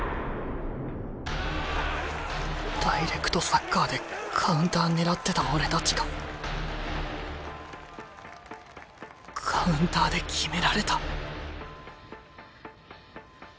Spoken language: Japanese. ダイレクトサッカーでカウンター狙ってた俺たちがカウンターで決められた。